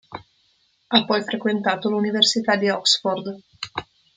Ha poi frequentato l'Università di Oxford.